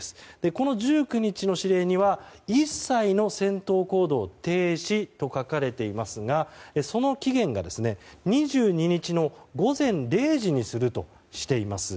この１９日の指令には一切の戦闘行動停止と書かれていますがその期限が２２日の午前０時にするとしています。